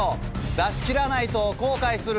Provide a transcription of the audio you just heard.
出し切らないと後悔する。